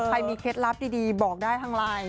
เคมีเคล็ดลับดีบอกได้ทางไลน์